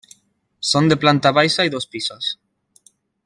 Són de planta baixa i dos pisos.